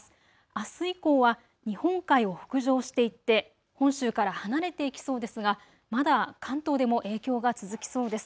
あす以降は日本海を北上していって本州から離れていきそうですが、まだ関東でも影響が続きそうです。